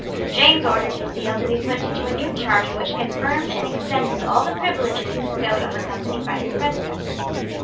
James ordered his seal to be put to a new charter which confirmed and extended all the privileges bestowed on the Company by his predecessors.